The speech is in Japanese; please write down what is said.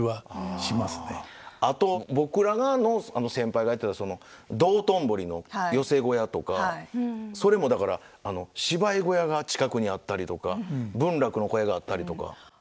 あと僕らの先輩がやってたその道頓堀の寄席小屋とかそれもだから芝居小屋が近くにあったりとか文楽の小屋があったりとか。